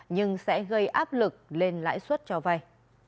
nhưng sẽ gây áp lực lên lãi suất cho vay